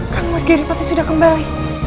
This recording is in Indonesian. kan mas giripati sudah kembali